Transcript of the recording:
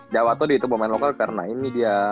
jawato di youtube main lokal karena ini dia